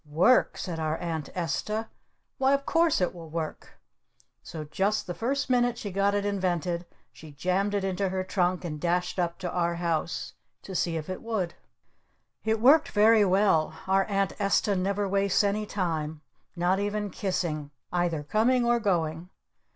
"Work?" said our Aunt Esta. "Why of course it will work!" So just the first minute she got it invented she jammed it into her trunk and dashed up to our house to see if it would! It worked very well. Our Aunt Esta never wastes any time. Not even kissing. Either coming or going.